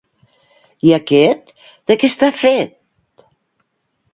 I aquest, de què està fet?